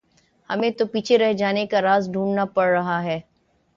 ہمیں تو پیچھے رہ جانے کا راز ڈھونڈنا پڑ رہا ہے۔